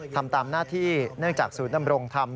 ทำตามหน้าที่เนื่องจากศูนย์ดำรงธรรม